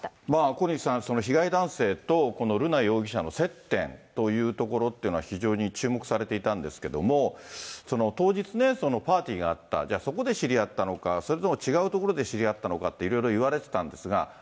小西さん、被害男性とこの瑠奈容疑者の接点というところというのは、非常に注目されていたんですけども、当日ね、パーティーがあった、じゃあ、そこで知り合ったのか、それとも違う所で知り合ったのかっていろいろ言われてたんですが。